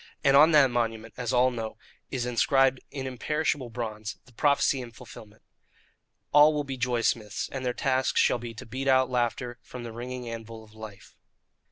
And on that monument, as all know, is inscribed in imperishable bronze the prophecy and the fulfilment: "ALL WILL BE JOY SMITHS, AND THEIR TASK SHALL BE TO BEAT OUT LAUGHTER FROM THE RINGING ANVIL OF LIFE."